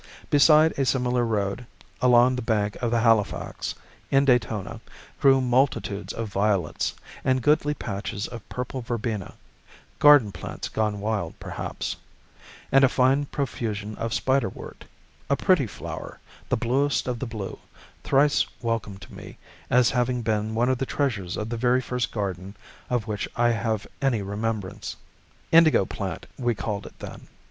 Beside a similar road along the bank of the Halifax, in Daytona, grew multitudes of violets, and goodly patches of purple verbena (garden plants gone wild, perhaps), and a fine profusion of spiderwort, a pretty flower, the bluest of the blue, thrice welcome to me as having been one of the treasures of the very first garden of which I have any remembrance. "Indigo plant," we called it then.